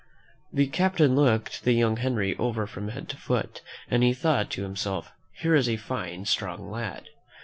The cap tain looked the young Henry over from head to foot, and he thought to himself, "Here is a fine, strong lad.